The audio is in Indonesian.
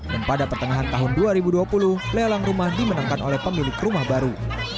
dan pada pertengahan tahun dua ribu dua puluh lelang rumah dimenangkan oleh pemilik rumah baru